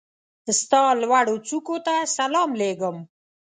ستا لوړوڅوکو ته سلام لېږم